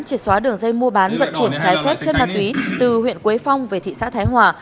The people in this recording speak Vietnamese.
triệt xóa đường dây mua bán vận chuyển trái phép chất ma túy từ huyện quế phong về thị xã thái hòa